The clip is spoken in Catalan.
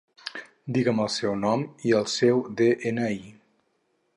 Digui'm el seu nom i el seu de-ena-i.